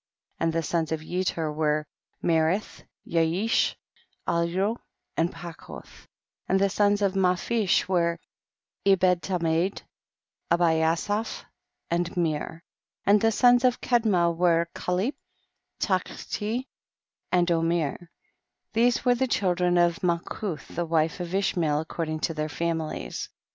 26. And the sons of Yetur were Merith, Yaish, Alyo, and Pachoth ; and the sons of Naphish were Ebcd Tamed, Abiyasaph and Mir; and the sons of Kedma were Calip, Tachti, and Omir ; these were the children of Malchuth the wife of Ish mael according to their families.